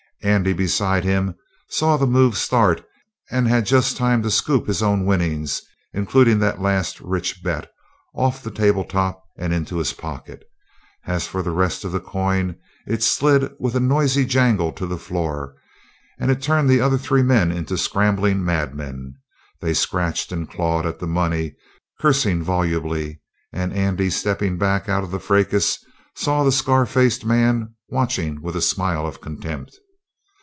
Andy, beside him, saw the move start, and he had just time to scoop his own winnings, including that last rich bet, off the table top and into his pocket. As for the rest of the coin, it slid with a noisy jangle to the floor, and it turned the other three men into scrambling madmen. They scratched and clawed at the money, cursing volubly, and Andy, stepping back out of the fracas, saw the scar faced man watching with a smile of contempt.